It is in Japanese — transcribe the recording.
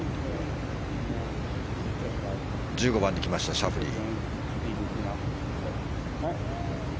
１５番に来ました、シャフリー。